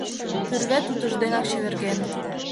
— Тӱрвет утыжденак чеверген.